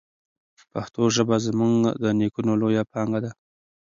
پښتو ژبه زموږ د نیکونو لویه پانګه ده.